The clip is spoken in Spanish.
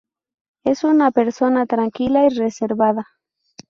Es una persona tranquila y reservada.